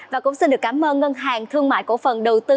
và cũng xin được cảm ơn ngân hàng thương mại cổ phần đầu tư